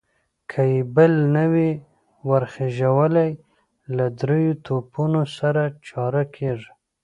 که يې بل نه وي ور خېژولی، له درېيو توپونو سره چاره کېږي.